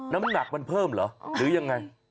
น้ำหนักมันเพิ่มเหรอหรือยังไง